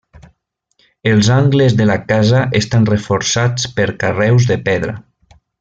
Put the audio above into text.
Els angles de la casa estan reforçats per carreus de pedra.